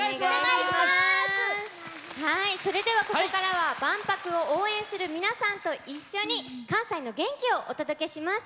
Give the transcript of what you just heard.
ここからは万博を応援する皆さんと一緒に関西の元気をお届けします。